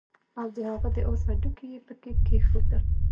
او د هغه د آس هډوکي يې پکي کېښودل